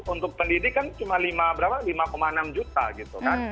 untuk pendidik kan cuma berapa lima enam juta gitu kan